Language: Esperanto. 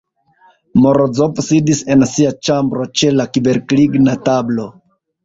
Morozov sidis en sia ĉambro ĉe la kverkligna tablo.